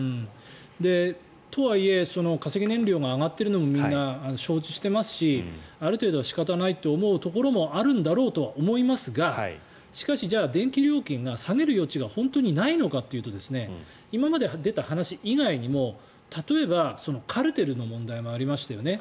とはいえ化石燃料が上がっているのもみんな承知していますしある程度仕方ないと思うところもあるんだろうとは思いますがしかし、じゃあ電気料金が下げる余地が本当にないのかというと今まで出た話以外にも例えばカルテルの問題もありましたよね。